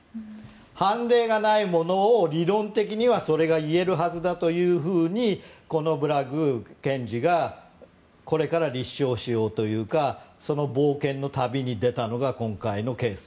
判例がないものを理論的にはそれは言えるはずだというふうにこのブラッグ検事がこれから立証しようというかその冒険の旅に出たのが今回のケース。